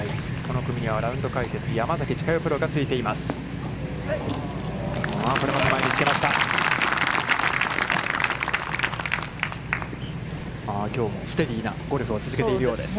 この組には、ラウンド解説、山崎千佳代プロがついています。